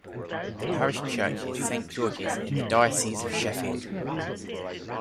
The parish church is Saint George's, in the Diocese of Sheffield.